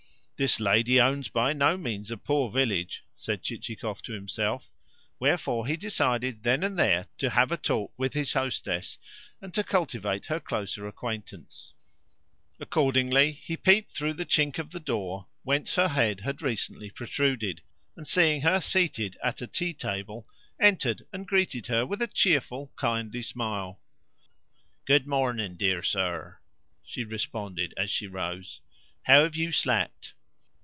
"This lady owns by no means a poor village," said Chichikov to himself; wherefore he decided then and there to have a talk with his hostess, and to cultivate her closer acquaintance. Accordingly he peeped through the chink of the door whence her head had recently protruded, and, on seeing her seated at a tea table, entered and greeted her with a cheerful, kindly smile. "Good morning, dear sir," she responded as she rose. "How have you slept?"